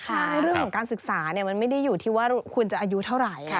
ใช่เรื่องของการศึกษามันไม่ได้อยู่ที่ว่าคุณจะอายุเท่าไหร่